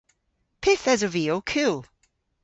Pyth esov vy ow kul?